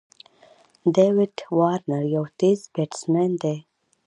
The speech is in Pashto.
داويد وارنر یو تېز بېټسمېن دئ.